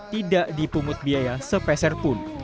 tidak dipumut biaya sepeserpun